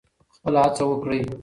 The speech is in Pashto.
خپله هڅه وکړئ.